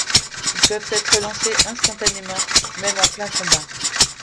Ils peuvent être lancés instantanément, même en plein combat.